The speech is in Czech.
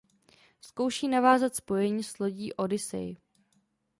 Zkouší navázat spojení s lodí "Odyssey".